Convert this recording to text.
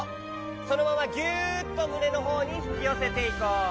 そのままギュっとむねのほうにひきよせていこう。